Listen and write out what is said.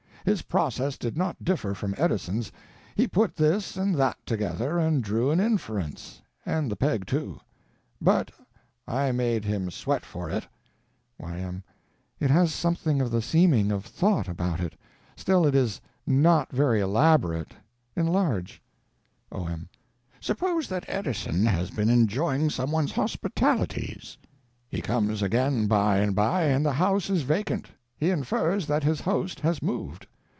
His process did not differ from Edison's; he put this and that together and drew an inference—and the peg, too; but I made him sweat for it. Y.M. It has something of the seeming of thought about it. Still it is not very elaborate. Enlarge. O.M. Suppose Mr. Edison has been enjoying some one's hospitalities. He comes again by and by, and the house is vacant. He infers that his host has moved.